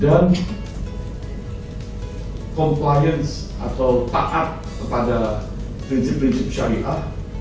dan compliance atau taat kepada prinsip prinsip syariah